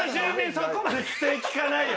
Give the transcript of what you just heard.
そこまで機転利かないよ。